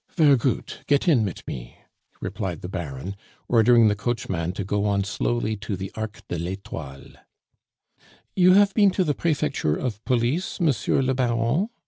"Ver' goot; get in mit me," replied the Baron, ordering the coachman to go on slowly to the Arc de l'Etoile. "You have been to the Prefecture of Police, Monsieur le Baron?